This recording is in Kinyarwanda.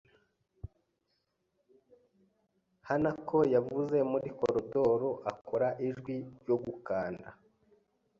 Hanako yanyuze muri koridoro akora ijwi ryo gukanda.